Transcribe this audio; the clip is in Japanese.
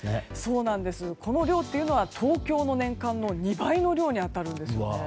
この量というのは東京の年間の２倍に量にあたるんですね。